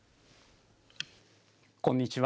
こんにちは。